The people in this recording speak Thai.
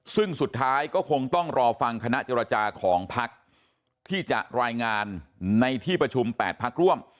ซึ่งสุดท้ายก็คงต้องรอฟังคณะเจรจาของพักที่จะรายงานในที่ประชุม๘พักร่วม